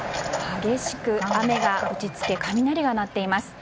激しく雨が打ち付け雷が鳴っています。